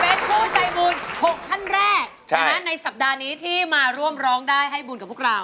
เป็นผู้ใจบุญ๖ท่านแรกในสัปดาห์นี้ที่มาร่วมร้องได้ให้บุญกับพวกเรา